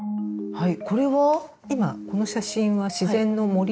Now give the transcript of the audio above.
はい。